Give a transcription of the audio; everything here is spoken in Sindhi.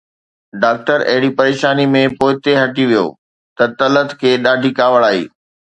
ڊاڪٽر اهڙي پريشانيءَ ۾ پوئتي هٽي ويو ته طلعت کي ڏاڍي ڪاوڙ آئي